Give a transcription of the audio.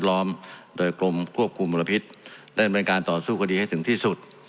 และสิ่งวัดล้อมโดยกลมควบคุมมูลพิษเล่นบริการต่อสู้คดีให้ถึงที่สุด